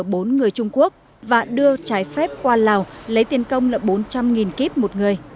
bốn người trung quốc và đưa trái phép qua lào lấy tiền công là bốn trăm linh kip một người